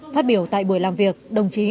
phát biểu tại buổi làm việc đồng chí